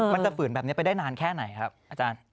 ฝืนแบบนี้ไปได้นานแค่ไหนครับอาจารย์